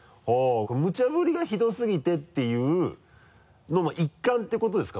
「むちゃぶりがひどすぎて」っていうのも一環っていうことですか？